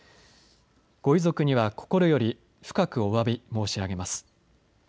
ご遺族には心より深くおわび申し上げます。